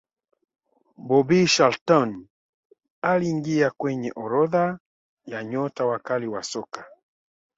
bobby charlton aliingia kwenye orodha ya nyota wakali wa soka